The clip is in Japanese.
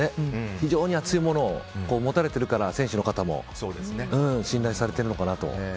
非常に熱いものを持たれてるから選手の方も信頼されてるのかなと。